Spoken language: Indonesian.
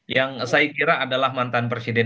yang saya kira adalah mantan presiden